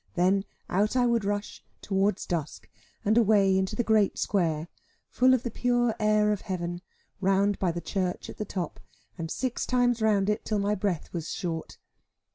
Then out I would rush, towards dusk, and away into the great square, full of the pure air of heaven, round by the church at the top, and six times round it till my breath was short.